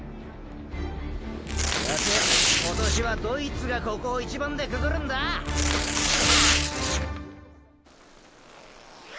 さて今年はどいつがここを一番でくぐるんだ⁉ハ！！